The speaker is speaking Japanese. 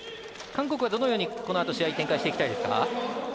韓国はどのように、このあと試合展開していきたいですか。